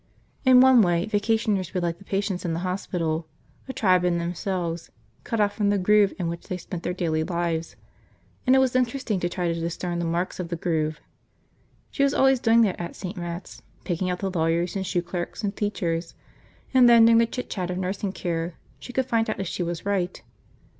In one way, vacationers were like the patients in the hospital, a tribe in themselves, cut off from the groove in which they spent their daily lives, and it was interesting to try to discern the marks of the groove. She was always doing that at St. Matt's, picking out the lawyers and shoe clerks and teachers, and then during the chitchat of nursing care she could find out if she was right.